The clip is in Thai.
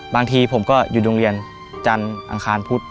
บางทีผมก็อยู่โรงเรียนจันทร์อังคารพุธ